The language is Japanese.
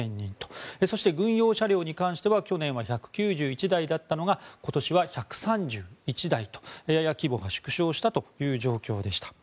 そして軍用車両に関しては去年は１９１台だったのが今年は１３１台とやや規模が縮小したという状況でした。